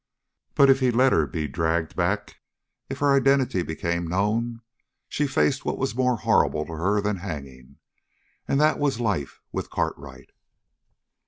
But if he let her be dragged back, if her identity became known, she faced what was more horrible to her than hanging, and that was life with Cartwright.